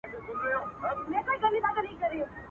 د ګوربت او د بازانو به مېله سوه.